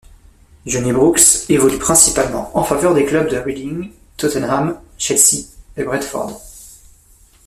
Johnny Brooks évolue principalement en faveur des clubs de Reading, Tottenham, Chelsea et Brentford.